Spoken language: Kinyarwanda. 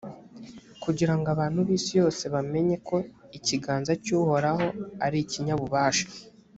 kugira ngo abantu b’isi yose bamenye ko ikiganza cy’uhoraho ari ikinyabubasha.